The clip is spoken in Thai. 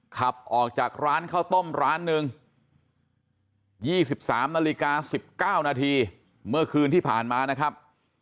ขับออกจากร้านข้าวต้มร้านหนึ่ง๒๓นาฬิกา๑๙นาทีเมื่อคืนที่ผ่านมานะครับ